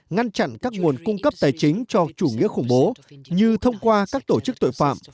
ngăn chặn các nguồn cung cấp tài chính cho chủ nghĩa khủng bố như thông qua các tổ chức tội phạm